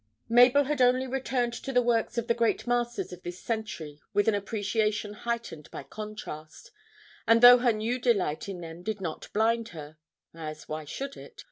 Mabel had only returned to the works of the great masters of this century with an appreciation heightened by contrast, and though her new delight in them did not blind her as why should it?